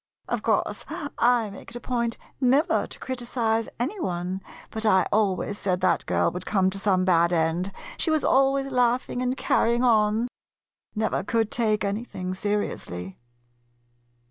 Of course, I make it a point never to criticize any one, but I always said that girl would come to some bad end, — she was always laughing and carrying on — 198 THE OPTIMIST never could take anything seriously!